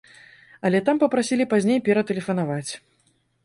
Але там папрасілі пазней ператэлефанаваць.